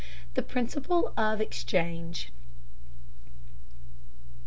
THE PRINCIPLE OF EXCHANGE.